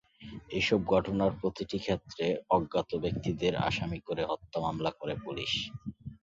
এসব ঘটনার প্রতিটির ক্ষেত্রে অজ্ঞাত ব্যক্তিদের আসামি করে হত্যা মামলা করে পুলিশ।